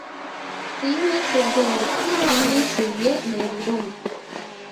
தீமை செய்தவருக்குத் தீமை செய்ய நேரிடும்.